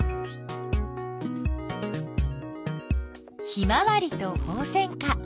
ヒマワリとホウセンカ